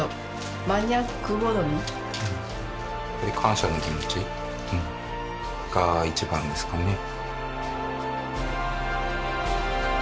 感謝の気持ちが一番ですかね。